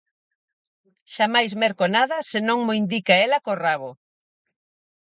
Xamais merco nada se non mo indica ela co rabo.